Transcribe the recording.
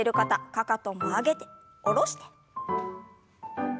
かかとも上げて下ろして。